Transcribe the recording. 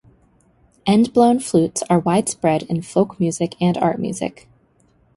End-blown flutes are widespread in folk music and art music.